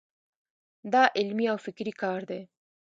دا علمي او فکري کار دی.